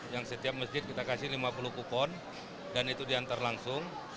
yang setiap masjid kita kasih lima puluh kupon dan itu diantar langsung